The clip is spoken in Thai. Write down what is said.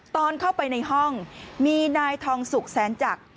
ตอนเข้าไปในห้องมีนายทองสุกแสนจักร